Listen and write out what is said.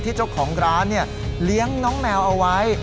เจ้าของร้านเลี้ยงน้องแมวเอาไว้